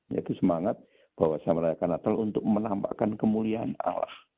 yaitu semangat bahwa saya merayakan natal untuk menampakkan kemuliaan allah